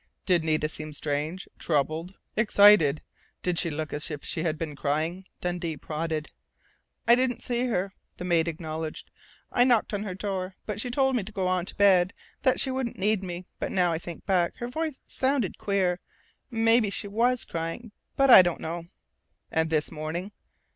"Did Nita seem strange troubled, excited? Did she look as if she'd been crying?" Dundee prodded. "I didn't see her," the maid acknowledged. "I knocked on her door, but she told me to go on to bed, that she wouldn't need me. But now I think back, her voice sounded queer.... Maybe she was crying, but I don't know " "And this morning?"